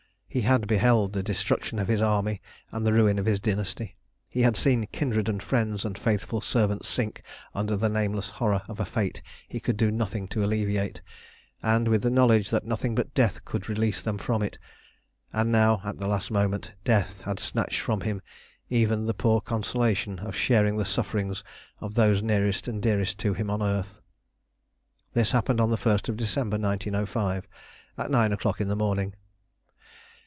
He had beheld the destruction of his army and the ruin of his dynasty. He had seen kindred and friends and faithful servants sink under the nameless horrors of a fate he could do nothing to alleviate, and with the knowledge that nothing but death could release them from it, and now at the last moment death had snatched from him even the poor consolation of sharing the sufferings of those nearest and dearest to him on earth. This happened on the 1st of December 1905, at nine o'clock in the morning.